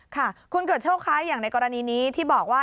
ค่ะคุณเกิดโชคคะอย่างในกรณีนี้ที่บอกว่า